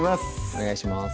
お願いします